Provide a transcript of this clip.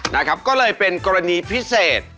นะครับก็เลยเป็นกรณีพิเศษ